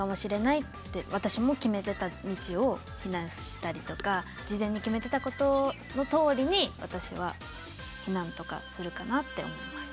私も決めてた道を避難したりとか事前に決めてたことのとおりに私は避難とかするかなって思います。